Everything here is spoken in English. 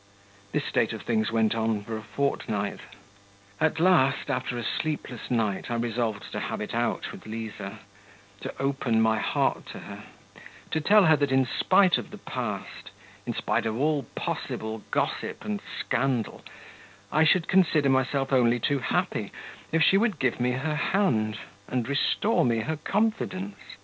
This state of things went on for a fortnight. At last, after a sleepless night, I resolved to have it out with Liza, to open my heart to her, to tell her that, in spite of the past, in spite of all possible gossip and scandal, I should consider myself only too happy if she would give me her hand, and restore me her confidence.